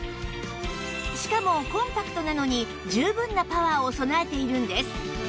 しかもコンパクトなのに十分なパワーを備えているんです